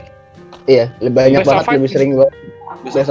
iya banyak banget lebih sering gue